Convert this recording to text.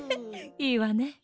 いいわね。